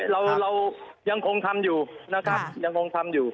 เรายังคงทำอยู่นะครับ